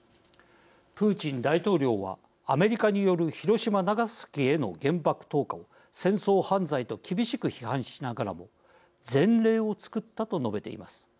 プーチン大統領はアメリカによる広島、長崎への原爆投下を戦争犯罪と厳しく批判しながらも前例を作ったと述べています。